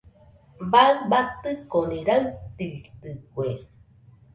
Baɨ batɨnokoni raitɨitɨkue.